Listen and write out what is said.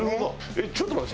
えっちょっと待って。